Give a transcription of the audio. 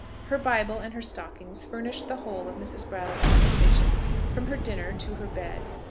Her Bible and her stockings furnished the whole of Mrs. Brattle's occupation from her dinner to her bed.